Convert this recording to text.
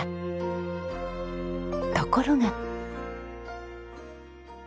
ところが。